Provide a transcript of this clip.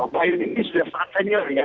bayu ini sudah sangat senior ya